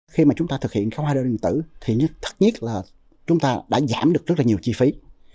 khi mà chúng ta thực hiện các hóa đơn điện tử thì thật nhất là chúng ta đã giảm được rất là nhiều chi phí